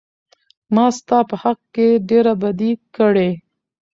ما ستا په حق کې ډېره بدي کړى.